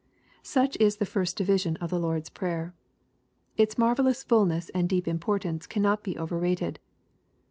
Such is the first division of the Lord's Prayer. Its marvellous fulness and deep importance cannot be over rated.